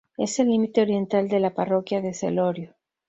Es el límite oriental de la parroquia de Celorio.